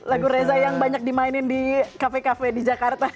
lagu reza yang banyak dimainin di kafe kafe di jakarta